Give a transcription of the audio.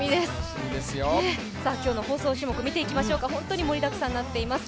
今日の放送種目見ていきましょう、本当に盛りだくさんになっています。